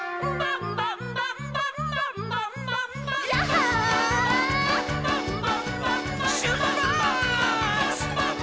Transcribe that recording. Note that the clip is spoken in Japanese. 「ンバンバンバンバンバンバンバンバ」「」「」「」